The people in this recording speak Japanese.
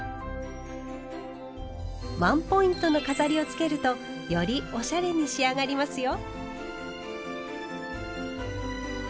ワンポイントの飾りをつけるとよりおしゃれに仕上がりますよ。